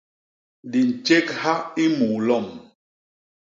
Di ntjégha i muu lom.